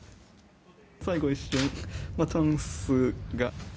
最後一瞬、チャンスが。